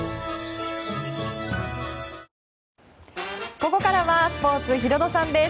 ここからはスポーツヒロドさんです。